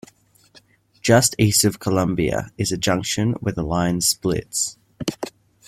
Just east of Columbia is a junction where the line splits.